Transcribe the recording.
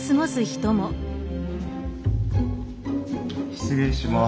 失礼します。